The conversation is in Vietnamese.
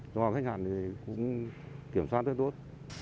do khách hàng thì cũng kiểm soát rất tốt